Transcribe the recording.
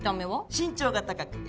身長が高くて。